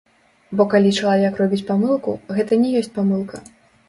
Бо калі чалавек робіць памылку, гэта не ёсць памылка.